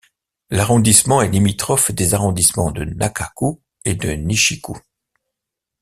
L'arrondissement est limitrophe des arrondissements de Naka-ku et de Nishi-ku.